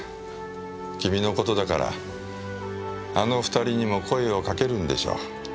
君の事だからあの２人にも声を掛けるんでしょ。